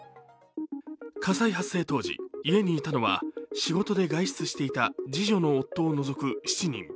火災発生当時家にいたのは仕事で外出していた次女の夫を除く７人。